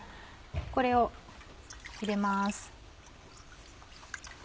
これを入れます。